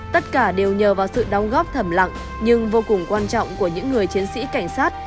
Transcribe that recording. tất cả đều nhờ vào sự đóng góp thầm lặng nhưng vô cùng quan trọng của những người chiến sĩ cảnh sát